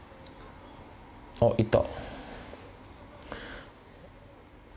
あっ行った。